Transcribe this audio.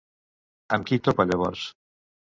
Amb qui topa llavors?